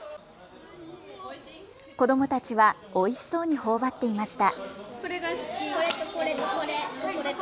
子どもたちはおいしそうにほおばっていました。